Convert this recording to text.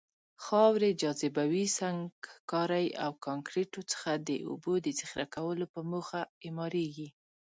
خاورې، جاذبوي سنګکارۍ او کانکریتو څخه د اوبو د ذخیره کولو په موخه اعماريږي.